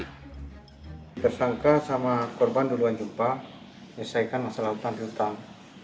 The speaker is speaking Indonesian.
tersangka sama korban duluan jumpa nyesaikan masalah utang utang